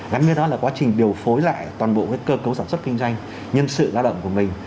gắn với đó là quá trình điều phối lại toàn bộ cơ cấu sản xuất kinh doanh nhân sự lao động của mình